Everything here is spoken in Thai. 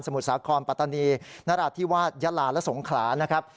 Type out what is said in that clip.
สมุดสาขอมปฏณีนราธิวาสยะลาและสงขลานะครับ